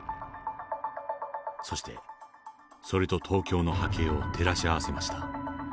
そしてそれと東京の波形を照らし合わせました。